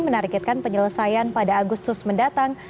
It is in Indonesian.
menargetkan penyelesaian pada agustus mendatang